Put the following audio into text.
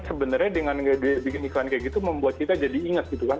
sebenarnya dengan bikin iklan kayak gitu membuat kita jadi ingat gitu kan